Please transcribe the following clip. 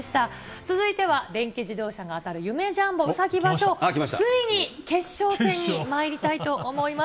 続いては電気自動車が当たる夢・ジャンボうさぎ場所、ついに決勝戦にまいりたいと思います。